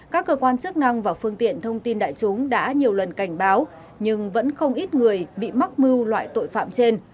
các cơ quan chức năng và phương tiện thông tin đại chúng đã nhiều lần cảnh báo nhưng vẫn không ít người bị mắc mưu loại tội phạm trên